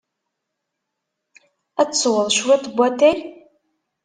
Ad tesweḍ cwiṭ n watay?